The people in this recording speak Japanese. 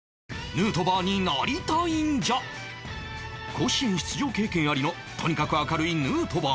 甲子園出場経験ありのとにかく明るいヌートバー